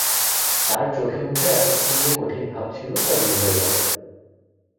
তাঁর চোখে-মুখে এতক্ষণ যে কঠিন ভাব ছিল তা দূর হয়ে গেল।